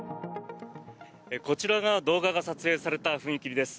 こちらが動画が撮影された踏切です。